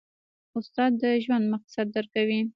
استاد د ژوند مقصد درکوي.